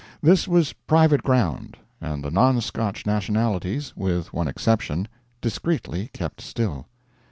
This was private ground, and the non Scotch nationalities, with one exception, discreetly kept still.